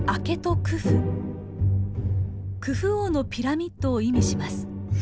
「クフ王のピラミッド」を意味します。